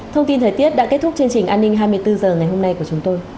thông tin thời tiết đã kết thúc chương trình an ninh hai mươi bốn h ngày hôm nay của chúng tôi